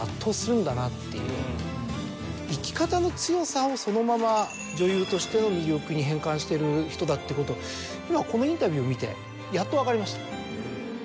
生き方の強さをそのまま女優としての魅力に変換してる人だってことを今このインタビューを見てやっと分かりました。